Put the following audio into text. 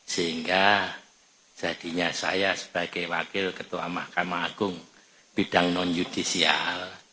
sehingga jadinya saya sebagai wakil ketua mahkamah agung bidang non judisial